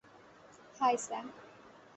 High, Sam.